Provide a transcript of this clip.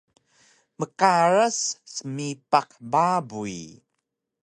mqaras smipaq babuy